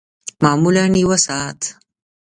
معمولاً یوه ساعت